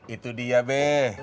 itu dia be